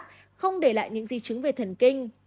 không để lại những di chứng về thần kinh